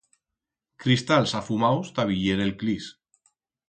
Cristals afumaus ta viyer el clis.